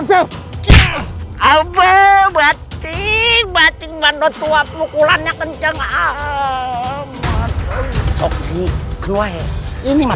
kecil apa batik batik bandot tua pukulannya kenceng ah ah ah ah ah ah ini kenapa ini